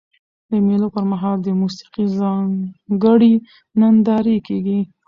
د مېلو پر مهال د موسیقۍ ځانګړي نندارې کیږي.